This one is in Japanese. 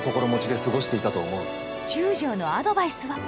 中将のアドバイスは。